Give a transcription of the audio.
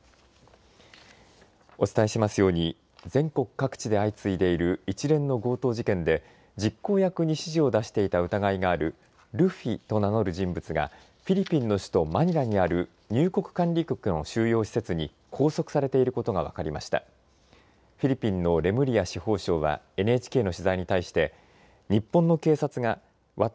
お伝えしていますように全国各地で相次いでいる一連の強盗事件で実行役に指示を出していた疑いがあるルフィと名乗る人物がフィリピンの首都マニラにある入国管理局の収容施設に拘束されていることが分かりました。